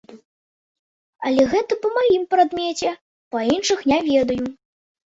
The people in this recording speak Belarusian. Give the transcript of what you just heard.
Але гэта па маім прадмеце, па іншых не ведаю.